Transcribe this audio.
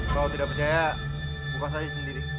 kalau tidak percaya buka saja sendiri